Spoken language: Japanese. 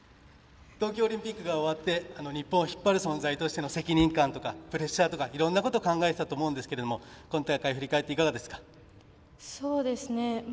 東京オリンピックが終わって日本を引っ張る存在としての責任感とかプレッシャーとかいろんなこと考えてたと思うんですがこの大会振り返っていかがですか？